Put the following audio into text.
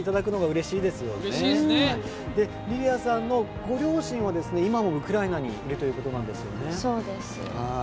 リリアさんのご両親は今もウクライナにいるということなんですよね。